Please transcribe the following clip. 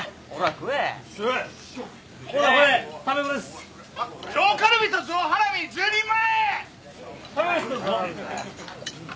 上カルビと上ハラミ１０人前！